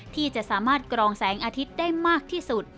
ที่จะสามารถกรองแสงอาทิตย์ได้มากที่สุด